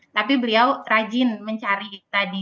tapi beliau rajin mencari tadi